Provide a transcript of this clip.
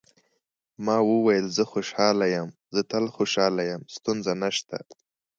ما وویل: زه خوشاله یم، زه تل خوشاله یم، ستونزه نشته.